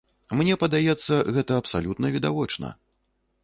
Мне падаецца, гэта абсалютна відавочна.